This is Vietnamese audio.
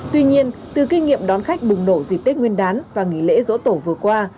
tuy nhiên từ kinh nghiệm đón khách bùng nổ dịp tết nguyên đán và nghỉ lễ dỗ tổ vừa qua